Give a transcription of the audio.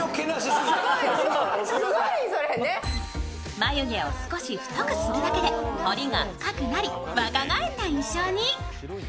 眉毛を少し太くするだけで彫りが深くなり若返った印象に。